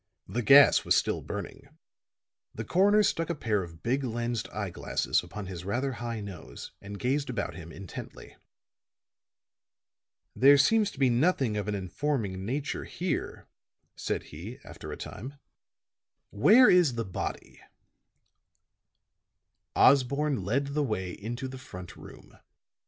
The gas was still burning; the coroner stuck a pair of big lensed eyeglasses upon his rather high nose and gazed about him intently. "There seems to be nothing of an informing nature here," said he, after a time. "Where is the body?" Osborne led the way into the front room.